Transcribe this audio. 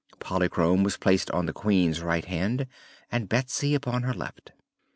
Polychrome was placed on the Queen's right hand and Betsy upon her left.